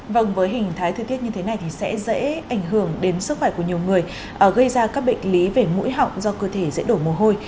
vâng với hình thái thời tiết như thế này thì sẽ dễ ảnh hưởng đến sức khỏe của nhiều người gây ra các bệnh lý về mũi họng do cơ thể dễ đổ mồ hôi